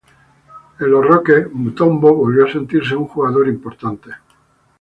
En los Rockets, Mutombo volvió a sentirse un jugador importante.